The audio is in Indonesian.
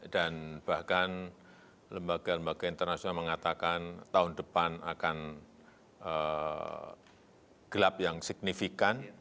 dan bahkan lembaga lembaga internasional mengatakan tahun depan akan gelap yang signifikan